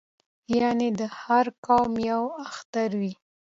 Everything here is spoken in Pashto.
یعنې د هر قوم یو اختر وي